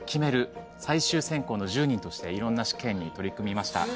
最終選考の１０人としていろんな試験に取り組みました。